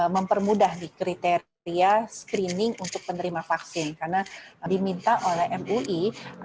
mempermudah di kriteria screening untuk penerima vaksin karena diminta oleh mui